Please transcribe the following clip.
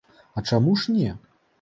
А чаму ж не!